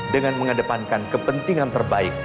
dengan mengadepankan kepentingan terbaik